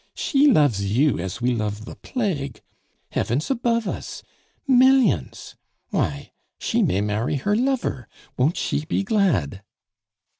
She loves you as we love the plague! Heavens above us! Millions! Why, she may marry her lover; won't she be glad!"